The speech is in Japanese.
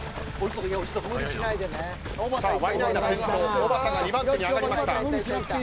おばたが２番手に上がりました。